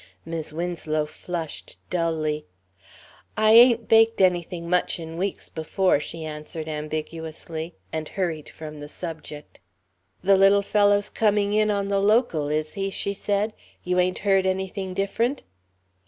Mis' Winslow flushed dully. "I ain't baked anything much in weeks before," she answered ambiguously, and hurried from the subject. "The little fellow's coming in on the Local, is he?" she said. "You ain't heard anything different?"